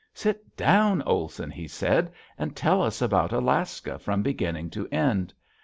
"Sit down, Olson," he said, "and tell us about Alaska from beginning to end."